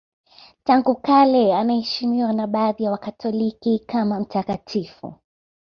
Tangu kale anaheshimiwa na baadhi ya Wakatoliki kama mtakatifu.